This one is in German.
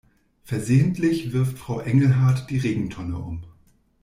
Versehentlich wirft Frau Engelhart die Regentonne um.